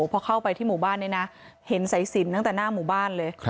พอเข้าไปที่หมู่บ้านนี้นะเห็นสายสินตั้งแต่หน้าหมู่บ้านเลย